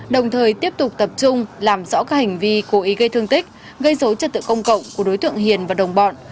đồng thời tiếp tục tập trung làm rõ các hành vi cố ý gây thương tích gây dối trật tự công cộng của đối tượng hiền và đồng bọn